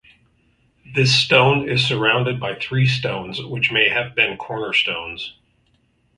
This stone is surrounded by three stones which may have been cornerstones.